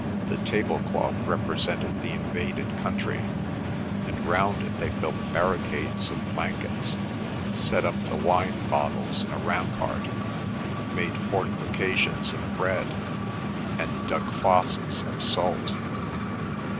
The table cloth represented the invaded country, and round it they built barricades of baskets, set up the wine bottles in a rampart, made fortifications of bread and dug fosses of salt.